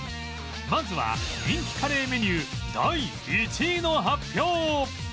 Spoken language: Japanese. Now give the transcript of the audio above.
まずは人気カレーメニュー第１位の発表